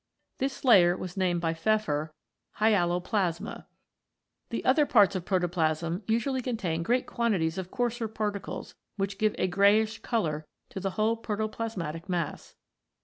This layer was named by Pfeffer Hyaloplasma. The other parts of protoplasm usually contain great quantities of coarser particles which give a greyish colour to the whole protoplasmatic mass.